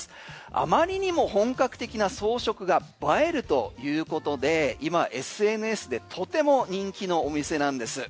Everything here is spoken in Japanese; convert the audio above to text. あまりにも本格的な装飾が映えるということで今、ＳＮＳでとても人気のお店なんです。